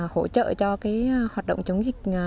hỗ trợ cho hoạt động chống dịch